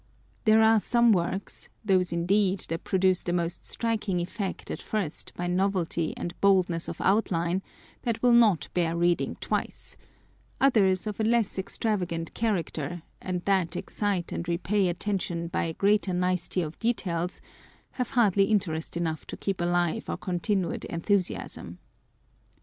There are some works, those indeed that produce the most striking effect at first by novelty and boldness of outline, that will not bear reading twice : others of a less extravagant character, and that excite and repay attention by a greater nicety of details, have hardly interest enough to keep alive our continued enthusiasm.